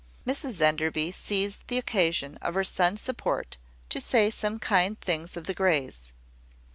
Mrs Enderby seized the occasion of her son's support to say some kind thing of the Greys.